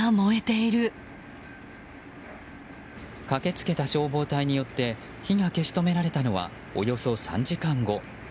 駆けつけた消防隊によって火が消し止められたのはおよそ３時間後。